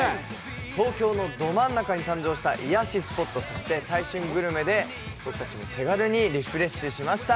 東京のど真ん中に登場した癒やしスポット、僕たちも手軽にリフレッシュしました。